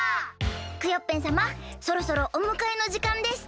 クヨッペンさまそろそろおむかえのじかんです。